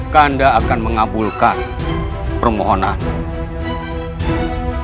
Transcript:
kanda akan mengabulkan permohonanmu